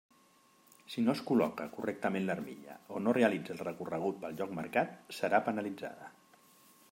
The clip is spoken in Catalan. Si no es col·loca correctament l'armilla o no realitza el recorregut pel lloc marcat, serà penalitzada.